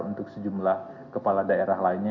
untuk sejumlah kepala daerah lainnya